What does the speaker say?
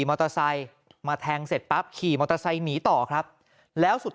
มอเตอร์ไซค์มาแทงเสร็จปั๊บขี่มอเตอร์ไซค์หนีต่อครับแล้วสุด